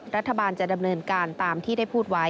รัฐบาลจะดำเนินการตามที่ได้พูดไว้